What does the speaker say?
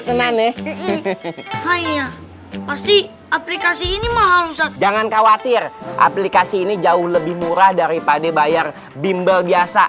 nah iya pasti aplikasi ini mahal jangan khawatir aplikasi ini jauh lebih murah daripada bayar bimbel biasa